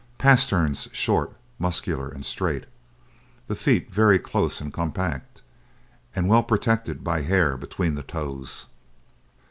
Pasterns short, muscular, and straight. The feet very close and compact, and well protected by hair between the toes.